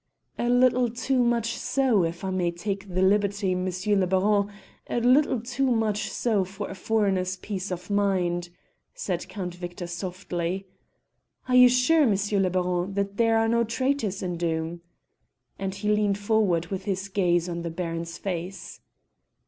"A little too much so, if I may take the liberty, M. le Baron, a little too much so for a foreigner's peace of mind," said Count Victor softly. "Are you sure, M. le Baron, there are no traitors in Doom?" and he leaned forward with his gaze on the Baron's face.